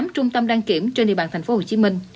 tám trung tâm đăng kiểm trên địa bàn tp hcm